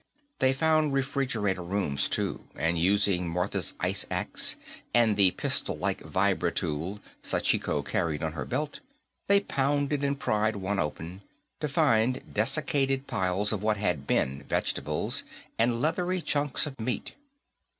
They found refrigeration rooms, too, and using Martha's ice axe and the pistollike vibratool Sachiko carried on her belt, they pounded and pried one open, to find dessicated piles of what had been vegetables, and leathery chunks of meat.